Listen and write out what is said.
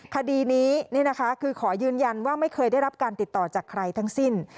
คดีนี้นะคะคือขอยืนยันว่าไม่เคยได้รับการติดต่อจากใครทั้งสิ้น